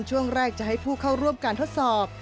ช่วงแรกจะให้ผู้เข้าร่วมการทดสอบ